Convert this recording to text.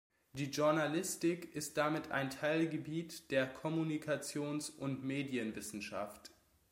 Die Journalistik ist damit ein Teilgebiet der Kommunikations- und Medienwissenschaft.